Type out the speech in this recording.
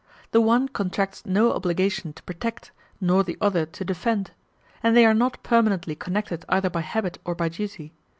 The one contracts no obligation to protect, nor the other to defend; and they are not permanently connected either by habit or by duty.